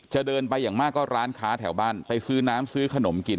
เดินไปอย่างมากก็ร้านค้าแถวบ้านไปซื้อน้ำซื้อขนมกิน